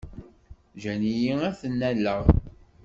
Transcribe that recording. Ǧǧan-iyi ad ten-alleɣ.